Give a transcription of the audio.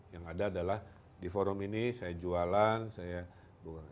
yang ada adalah di forum ini saya jualan saya buka